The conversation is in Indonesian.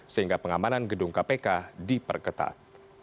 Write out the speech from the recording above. sehingga pengamanan gedung kpk diperketat